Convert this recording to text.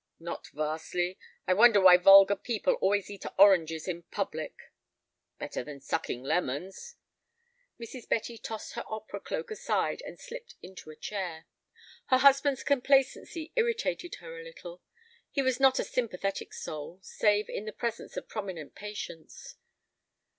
"Not vastly. I wonder why vulgar people always eat oranges in public?" "Better than sucking lemons." Mrs. Betty tossed her opera cloak aside and slipped into a chair. Her husband's complacency irritated her a little. He was not a sympathetic soul, save in the presence of prominent patients.